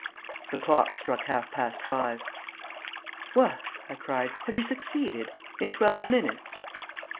The clock struck half past five. "What!" I cried. "Have you succeeded?... In twelve minutes?..."